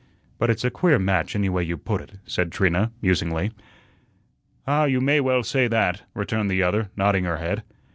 "But it's a queer match anyway you put it," said Trina, musingly. "Ah, you may well say that," returned the other, nodding her head.